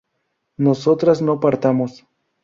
nosotras no partamos